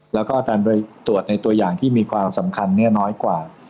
แล้วก็การตรวจในตัวอย่างที่มีความสำคัญน้อยกว่า